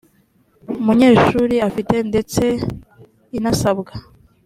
munyeshuri afite ndetse inasabwa